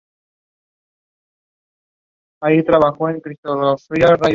Sus artículos son extensos, firmados por expertos y defendiendo opiniones bien definidas.